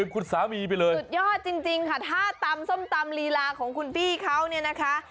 สุดยอดจริงค่ะถ้าตำส้มตำหลีลาของคุณพี่เขาเนี่ยนะคะ